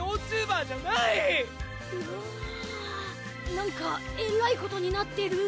なんかえらいことになってる。